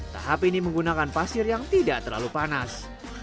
tahap ini menggunakan pasir yang tidak terlalu panas